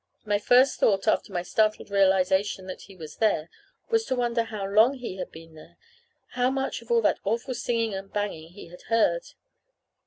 My first thought, after my startled realization that he was there, was to wonder how long he had been there how much of all that awful singing and banging he had heard.